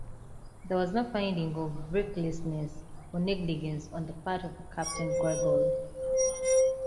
There was no finding of recklessness or negligence on the part of Captain Gregory.